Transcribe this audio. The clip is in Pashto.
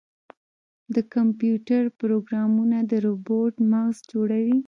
د کمپیوټر پروګرامونه د روبوټ مغز جوړوي.